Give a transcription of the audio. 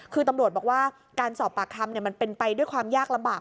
คือตำรวจบอกว่าการสอบปากคำมันเป็นไปด้วยความยากลำบาก